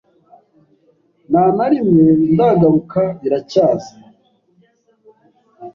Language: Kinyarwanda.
Nta na rimwe ndagaruka Biracyaza